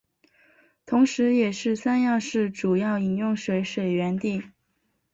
同时也是三亚市主要饮用水水源地。